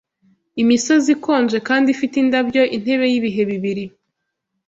Imisozi ikonje kandi ifite indabyo intebe yibihe bibiri